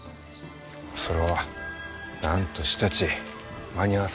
それはなんとしたち間に合わせないかんのう。